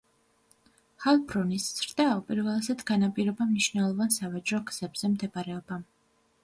ჰაილბრონის ზრდა უპირველესად განაპირობა მნიშვნელოვან სავაჭრო გზებზე მდებარეობამ.